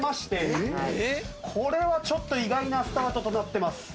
これはちょっと意外なスタートとなってます。